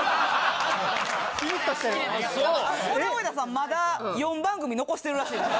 まだ４番組残してるらしいです。